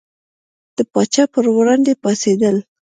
د پاچا پر وړاندې پاڅېدل.